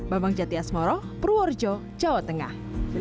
bambang jati asmoro purworejo jawa tengah